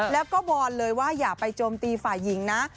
แล้วก็วอนเลยว่าอย่าไปโจมตีฝ่ายหญิงนะ